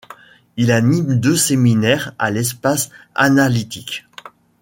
Il anime deux séminaires à l'Espace Analytique.